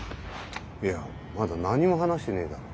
いやまだ何も話してねえだろ。